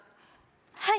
はい。